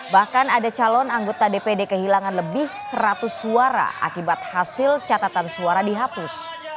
bahkan ada calon anggota dpd kehilangan lebih seratus suara akibat hasil catatan suara dihapus